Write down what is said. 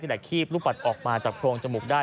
แหละคีบลูกปัดออกมาจากโรงจมูกได้